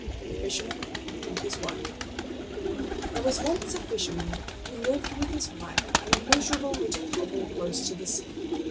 The Fisherman and his Wife There was once a fisherman who lived with his wife in a miserable little hovel close to the sea.